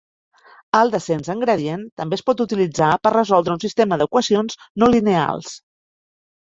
El descens en gradient també es pot utilitzar per resoldre un sistema d'equacions no lineals.